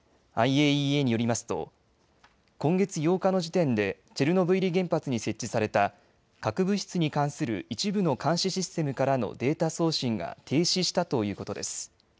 ＩＡＥＡによりますと今月８日の時点でチェルノブイリ原発に設置された核物質に関する一部の監視システムからのデータ送信が停止したということです。